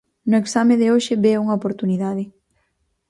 No exame de hoxe ve unha oportunidade.